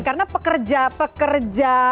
karena pekerja pekerja